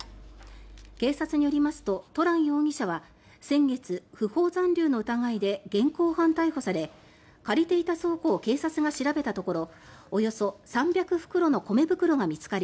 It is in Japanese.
警察によりますとトラン容疑者は先月不法残留の疑いで現行犯逮捕され借りていた倉庫を警察が調べたところおよそ３００袋の米袋が見つかり